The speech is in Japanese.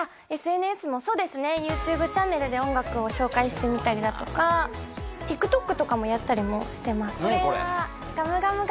ＳＮＳもそうですねＹｏｕＴｕｂｅチャンネルで音楽を紹介してみたりだとかＴｉｋＴｏｋとかもやったりもしてます何？